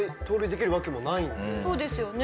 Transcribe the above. そうですよね。